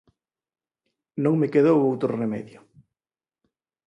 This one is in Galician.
Non me quedou outro remedio.